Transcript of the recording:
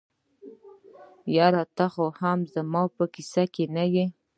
یاره ته هم زما په کیسه کي نه یې.